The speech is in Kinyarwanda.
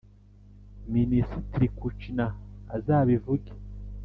minisitiri kouchner azabivuge.